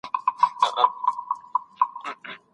هیڅ واکمن په زوره نکاح نه تړي.